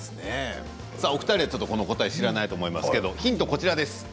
お二人はこの答え知らないと思いますけれどもヒントです。